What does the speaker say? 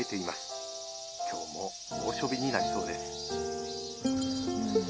今日も猛暑日になりそうです」。